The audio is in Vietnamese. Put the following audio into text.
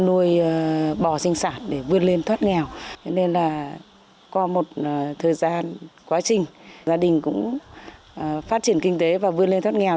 qua một thời gian quá trình gia đình cũng phát triển kinh tế và vươn lên thoát nghèo